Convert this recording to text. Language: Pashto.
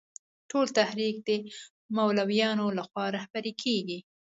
ټول تحریک د مولویانو له خوا رهبري کېږي.